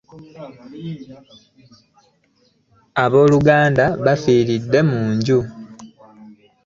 Abooluganda bafiiridde mu nju.